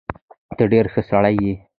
ته ډېر ښه سړی یې.